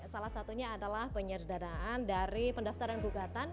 salah satunya adalah penyederhanaan dari pendaftaran gugatan